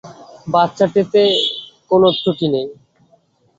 বাচ্চাতে কোনো ক্রুটি নেই।